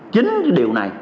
chính điều này